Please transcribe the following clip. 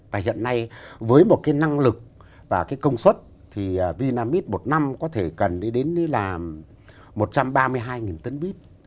và hiện nay với một cái năng lực và cái công suất thì vinamit một năm có thể cần đi đến là một trăm ba mươi hai tấn bít